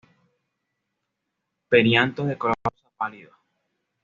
Perianto de color rosa pálido.